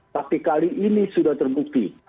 tapi kali ini sudah terbukti